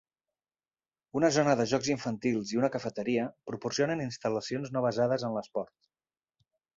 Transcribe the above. Una zona de jocs infantils i una cafeteria proporcionen instal·lacions no basades en l'esport.